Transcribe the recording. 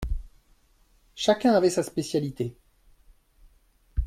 Chacun avait sa spécialité.